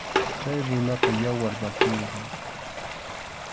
Chay runaqa yawar masiymi.